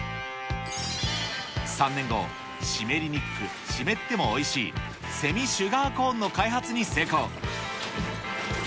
３年後、湿りにくく、湿ってもおいしいセミ・シュガーコーンの開発に成功。